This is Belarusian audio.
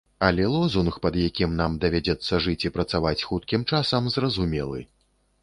Але лозунг, пад якім нам давядзецца жыць і працаваць хуткім часам, зразумелы.